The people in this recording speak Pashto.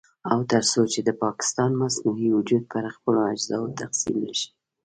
او تر څو چې د پاکستان مصنوعي وجود پر خپلو اجزاوو تقسيم نه شي.